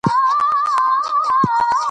ډاکټر کرایان ټینګار وکړ چې دا عادتونه مهم دي.